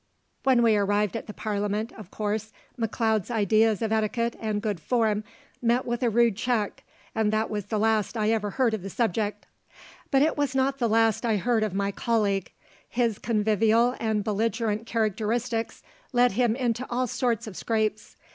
When we arrived at the parliament, of course McLeod's ideas of etiquette and good form met with a rude check, and that was the last I ever heard of the subject. But it was not the last I heard of my colleague. His convivial and belligerent characteristics led him into all sorts of scrapes.